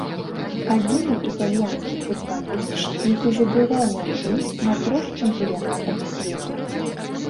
Адзіны італьянскі футбаліст, які забіваў мячы на трох чэмпіянатах свету.